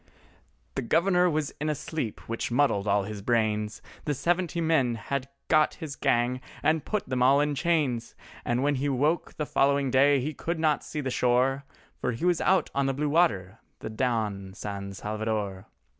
The Governor was in a sleep which muddled all his brains, The seventy men had got his gang and put them all in chains, And when he woke the following day he could not see the shore, For he was out on the blue water—the Don San Salvador.